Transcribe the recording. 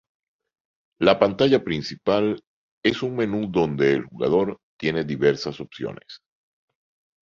La pantalla principal es un menú donde el jugador tiene diversas opciones.